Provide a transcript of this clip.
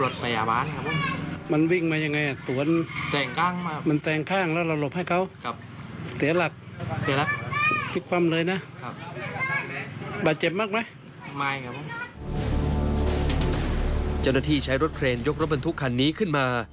เจ้าหน้าที่ใช้รถเครนยกรถบรรทุกคันนี้ขึ้นมา